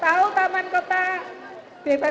tahu taman kota bebas larut pak